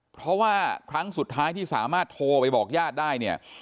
เพราะว่าครั้งสุดท้ายที่สามารถโทรไปบอกญาติได้เนี่ย